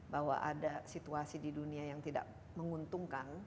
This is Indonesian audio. bahwa ada situasi di dunia yang tidak menguntungkan